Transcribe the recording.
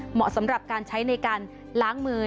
เหมาะสำหรับการใช้ในการล้างมือ